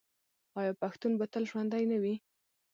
آیا پښتون به تل ژوندی نه وي؟